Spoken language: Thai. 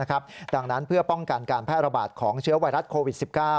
ดังนั้นเพื่อป้องกันการแพร่ระบาดของเชื้อไวรัสโควิด๑๙